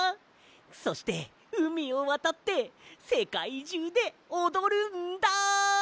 そしてうみをわたってせかいじゅうでおどるんだ！